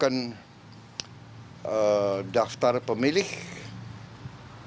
karena terang oc nonsense yang diperbuatkan oleh tap tidak hanya demi bidiri dan memberikan pemilu satu bandara mielahan